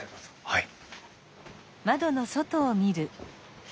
はい。